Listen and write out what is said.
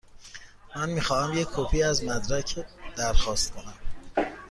من می خواهم یک کپی از مدرک درخواست کنم.